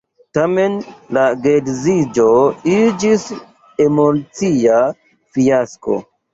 Tamen la geedziĝo iĝis emocia fiasko.